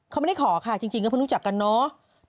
เขาไม่ได้ขอค่ะจริงก็เพิ่งรู้จักกันเนาะ